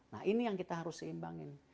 nah ini yang kita harus seimbangin